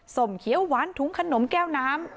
มเขียวหวานถุงขนมแก้วน้ำ